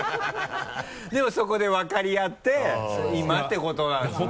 でもそこで分かり合って今ってことなんですね。